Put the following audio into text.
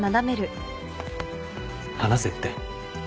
放せって。